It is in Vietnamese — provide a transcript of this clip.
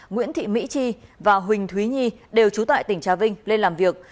nguyễn thị mỹ chi và huỳnh thúy nhi đều trú tại tỉnh trà vinh lên làm việc